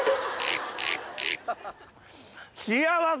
幸せ！